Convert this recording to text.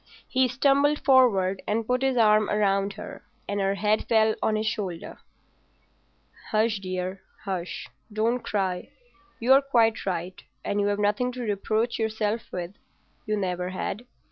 He stumbled forward and put his arm round her, and her head fell on his shoulder. "Hush, dear, hush! Don't cry. You're quite right, and you've nothing to reproach yourself with—you never had.